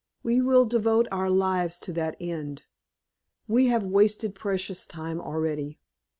We will devote our lives to that end. We have wasted precious time already.